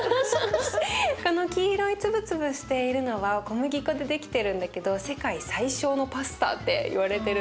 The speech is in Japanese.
この黄色いツブツブしているのは小麦粉でできてるんだけど「世界最小のパスタ」っていわれてるんだよね。